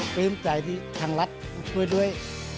ปลื้มใจที่ทางรัฐช่วยด้วย